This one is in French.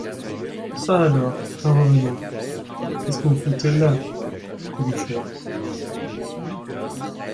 Ça alors, un revenant ! Qu’est-ce que vous foutez là, commissaire ?